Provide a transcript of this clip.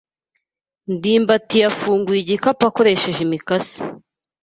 ndimbati yafunguye igikapu akoresheje imikasi.